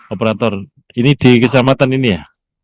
operator ini di kecamatan ini ya